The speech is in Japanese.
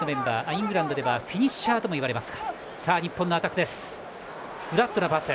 イングランドではフィニッシャーとも言われます。